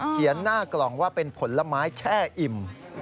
หน้ากล่องว่าเป็นผลไม้แช่อิ่ม